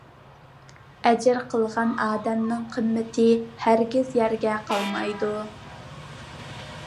ئەجىر قىلغان ئادەمنىڭ قىممىتى ھەرگىز يەردە قالمايدۇ.